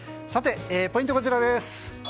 さて、ポイントこちらです。